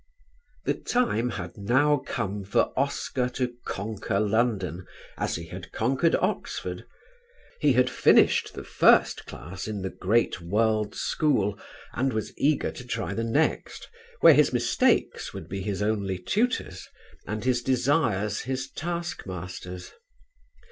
The time had now come for Oscar to conquer London as he had conquered Oxford. He had finished the first class in the great World School and was eager to try the next, where his mistakes would be his only tutors and his desires his taskmasters.